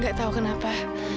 gak tau kenapa